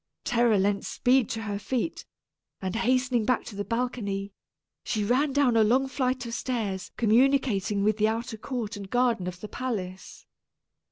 Terror lent speed to her feet, and hastening back to the balcony, she ran down a long flight of stairs communicating with the outer court and garden of the palace.